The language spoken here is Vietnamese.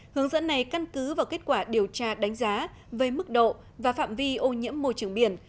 hướng dẫn này căn cứ vào kết quả điều tra đánh giá về mức độ và phạm vi ô nhiễm môi trường biển